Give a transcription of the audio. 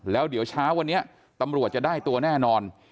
แล้วเดี๋ยวเช้าวันนี้ตำรวจจะได้ตัวแน่นอน